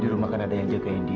di rumah kan ada yang jagain di